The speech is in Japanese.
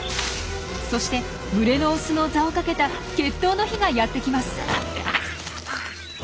そして群れのオスの座をかけた決闘の日がやってきます。